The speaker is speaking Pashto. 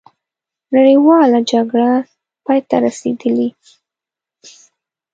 نړیواله جګړه پای ته رسېدلې.